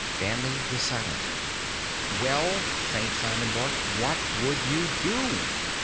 Danley was silent. "Well?" St. Simon barked. "_What would you do?